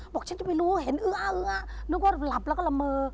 ฉันจะไปรู้เห็นอื้อนึกว่าหลับแล้วก็ละเมอ